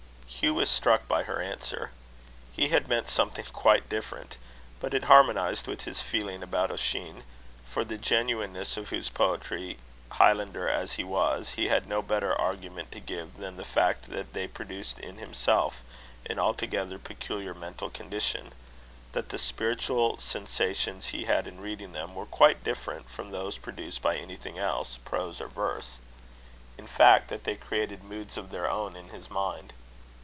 Hugh was struck by her answer. He had meant something quite different. But it harmonized with his feeling about Ossian; for the genuineness of whose poetry, Highlander as he was, he had no better argument to give than the fact, that they produced in himself an altogether peculiar mental condition; that the spiritual sensations he had in reading them were quite different from those produced by anything else, prose or verse; in fact, that they created moods of their own in his mind.